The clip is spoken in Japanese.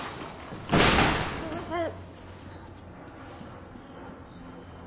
すいません。